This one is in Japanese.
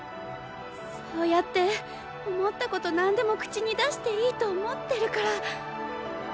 そうやって思ったこと何でも口に出していいと思ってるから！